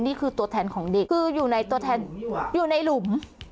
นี่คือตัวแทนของเด็กคืออยู่ในตัวแทนอยู่ในหลุม